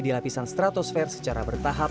di lapisan stratosfer secara bertahap